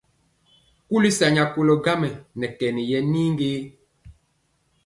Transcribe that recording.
Kuli sa nya kolɔ gaŋ mɛ nɛ kɛn yɛ nii ge?